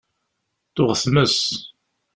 Tuɣ tmes.